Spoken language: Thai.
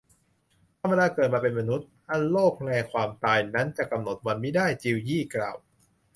ธรรมดาเกิดมาเป็นมนุษย์ อันโรคแลความตายนั้นจะกำหนดวันมิได้ จิวยี่กล่าว